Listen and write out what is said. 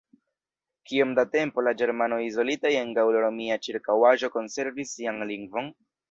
Kiom da tempo la Ĝermanoj izolitaj en gaŭl-romia ĉirkaŭaĵo konservis sian lingvon?